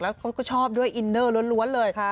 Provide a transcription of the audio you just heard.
เขาก็ชอบด้วยอินเนอร์ล้วนเลย